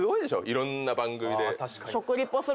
いろんな番組で。